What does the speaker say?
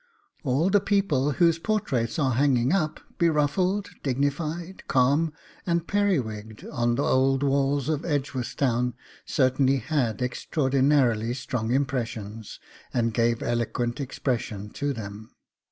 All the people whose portraits are hanging up, beruffled, dignified, calm, and periwigged, on the old walls of Edgeworthstown certainly had extraordinarily strong impressions, and gave eloquent expression to them.